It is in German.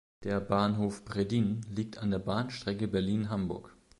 Der Bahnhof "Breddin" liegt an der Bahnstrecke Berlin–Hamburg.